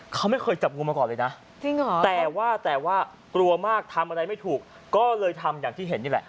เขาไม่เคยจับงูมาก่อนเลยนะแต่ว่าแต่ว่ากลัวมากทำอะไรไม่ถูกก็เลยทำอย่างที่เห็นนี่แหละ